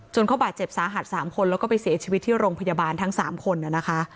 เขาบาดเจ็บสาหัส๓คนแล้วก็ไปเสียชีวิตที่โรงพยาบาลทั้ง๓คนนะคะ